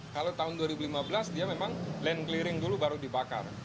kalau tahun dua ribu lima belas dia memang land clearing dulu baru dibakar